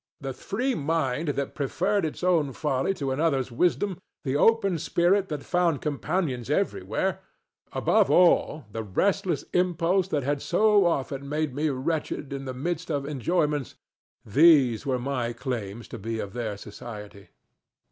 The free mind that preferred its own folly to another's wisdom, the open spirit that found companions everywhere—above all, the restless impulse that had so often made me wretched in the midst of enjoyments,—these were my claims to be of their society.